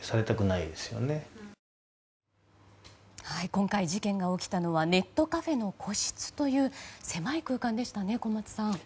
今回、事件が起きたのはネットカフェの個室という狭い空間でしたね、小松さん。